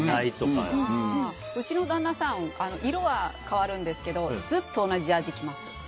うちの旦那さん色は変わるんですけどずっと同じジャージー着ます。